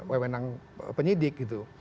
wewenang penyidik gitu